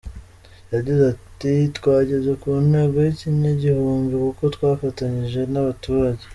Yagize ati “ Twageze ku ntego y’ikinyagihumbi kuko twafatanyije n’abaturage.